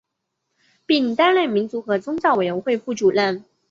并担任民族和宗教委员会副主任。